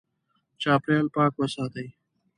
چاپېریال پاک وساتې.